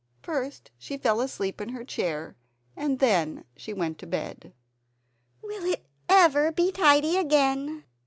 First she fell asleep in her chair, and then she went to bed. "Will it ever be tidy again?"